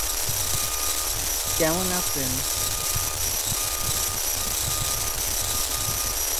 তীব্র মন্দার পরও দ্বিপাক্ষিক বাণিজ্য চুক্তির বিরুদ্ধে কথা ওঠে।